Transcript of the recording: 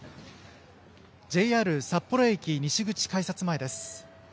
ＪＲ札幌駅西口改札前です。